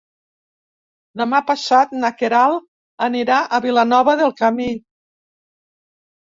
Demà passat na Queralt anirà a Vilanova del Camí.